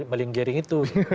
maling jering itu